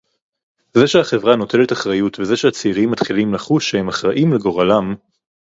זה שהחברה נוטלת אחריות וזה שהצעירים מתחילים לחוש שהם אחראים לגורלם